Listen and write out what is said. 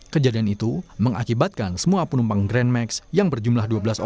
kejadian itu mengakibatkan semua penumpang grand max yang berjumlah dua belas orang